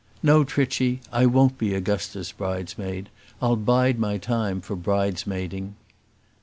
"No, Trichy; I won't be Augusta's bridesmaid; I'll bide my time for bridesmaiding."